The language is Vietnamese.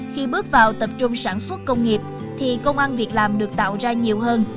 khi bước vào tập trung sản xuất công nghiệp thì công an việc làm được tạo ra nhiều hơn